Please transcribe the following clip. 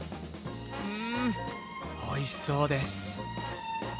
うーん、おいしそうです。